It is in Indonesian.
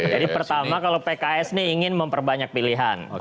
jadi pertama kalau pks ini ingin memperbanyak pilihan